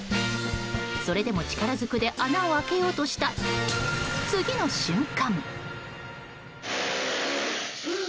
それでも力ずくで穴を開けようとした次の瞬間。